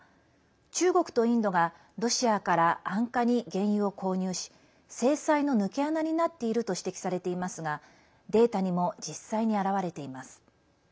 中国とインドがロシアから安価に原油を購入し制裁の抜け穴になっていると指摘されていますがデータにも実際に表れています。